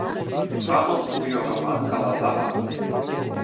Хамӑн хуйӑхӑма каласа патӑм.